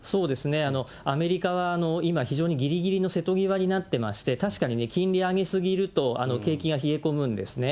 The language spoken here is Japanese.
アメリカは今、非常にぎりぎりの瀬戸際になってまして、確かに金利上げすぎると景気が冷え込むんですね。